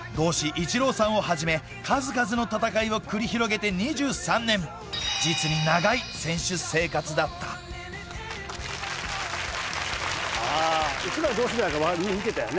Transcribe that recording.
イチローさんをはじめ数々の戦いを繰り広げて２３年実に長い選手生活だったさぁ内村は同世代だから見てたよね。